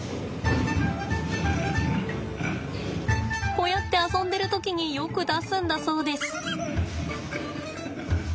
こうやって遊んでる時によく出すんだそうです。